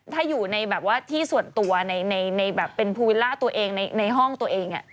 ถ้าอยู่ในติวัฒน์ในห้องตัวเอง